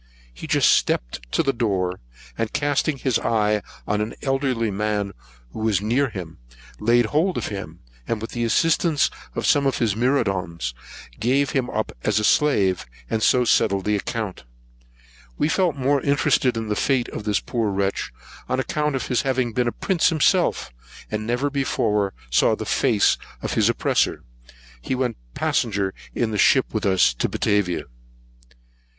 He just stepped to the door, and casting his eye on an elderly man who was near him, he laid hold of him; and, with the assistance of some of his myrmidons, gave him up as a slave, and so settled his account. We felt more interested in the fate of this poor wretch, on account of his having been a prince himself, but never before saw the face of his oppressor. He went passenger in the ship with us to Batavia.